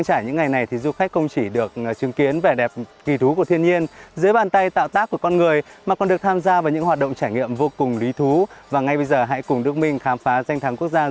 xin chào và hẹn gặp lại các bạn trong những video tiếp theo